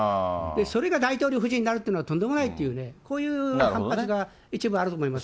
それが大統領夫人になるっていうのは、とんでもないという、こういう形が一部あると思います。